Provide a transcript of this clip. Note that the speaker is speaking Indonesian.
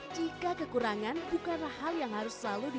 jika kekurangan bukanlah hal yang harus selalu diperlukan